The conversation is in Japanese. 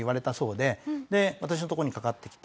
で私の所にかかってきて。